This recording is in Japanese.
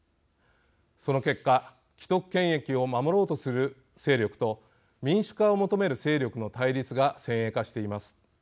その結果既得権益を守ろうとする勢力と民主化を求める勢力の対立が先鋭化しています。